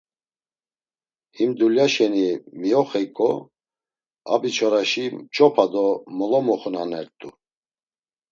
Him dulya şeni mioxeyǩo abiçoraşi mç̌opa do molomoxunanert̆u.